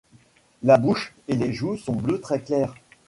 La bouche et les joues sont bleu très clair.